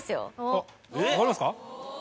あっ分かりますか？